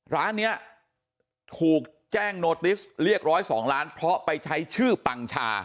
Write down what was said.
ร้านนี้ถูกแจ้งโนติสเรียก๑๐๒ล้านเพราะไปใช้ชื่อปังชา